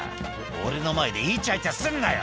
「俺の前でイチャイチャすんなよ」